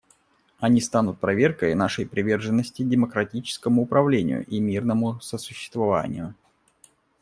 Они станут проверкой нашей приверженности демократическому управлению и мирному сосуществованию.